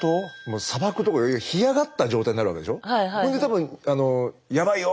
砂漠とか干上がった状態になるわけでしょ。